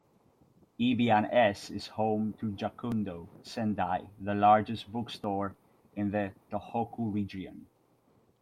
EbeanS is home to Junkudo Sendai, the largest bookstore in the Tohoku Region.